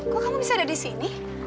kok kamu misalnya ada di sini